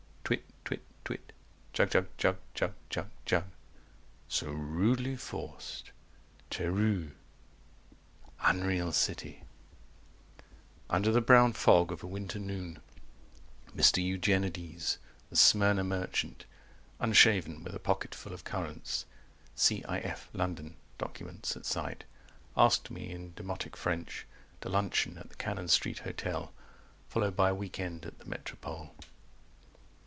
Twit twit twit Jug jug jug jug jug jug So rudely forc'd. 205 Tereu Unreal City Under the brown fog of a winter noon Mr Eugenides, the Smyrna merchant Unshaven, with a pocket full of currants 210 C. i. f. London: documents at sight, Asked me in demotic French To luncheon at the Cannon Street Hotel Followed by a week end at the Metropole.